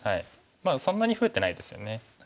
そんなに増えてないですよね。